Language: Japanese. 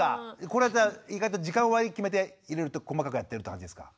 これはじゃあ意外と時間割決めていろいろと細かくやってるって感じですか？